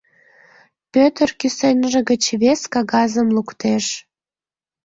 Пӧтыр кӱсенже гыч вес кагазым луктеш.